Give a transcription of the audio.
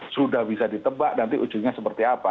sudah bisa ditebak nanti ujungnya seperti apa